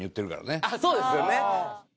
そうですよね。